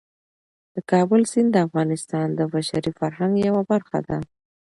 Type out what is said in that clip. د کابل سیند د افغانستان د بشري فرهنګ یوه برخه ده.